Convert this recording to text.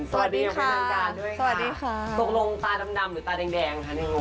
สวัสดีค่ะสวัสดีค่ะสกลงตาดำหรือตาแดงคะเนี่ย